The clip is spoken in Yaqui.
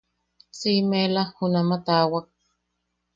Siʼimeʼela junama taawak.